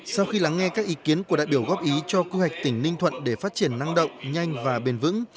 sau khi lắng nghe các ý kiến của đại biểu góp ý cho quy hạch tỉnh ninh thuận để phát triển năng động nhanh và bền vững